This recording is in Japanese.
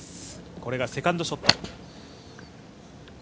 これがセカンドショット。